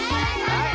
はい！